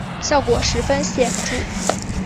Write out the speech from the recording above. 效果十分显著